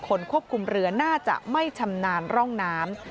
ควบคุมเรือน่าจะไม่ชำนาญร่องน้ำ